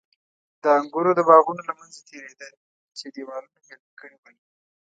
د انګورو د باغونو له منځه تېرېده چې دېوالونو بېل کړي ول.